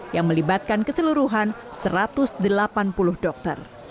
yang melibatkan keseluruhan satu ratus delapan puluh dokter